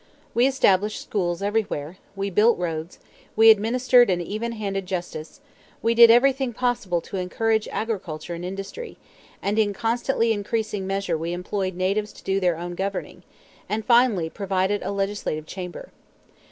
We established schools everywhere; we built roads; we administered an even handed justice; we did everything possible to encourage agriculture and industry; and in constantly increasing measure we employed natives to do their own governing, and finally provided a legislative chamber.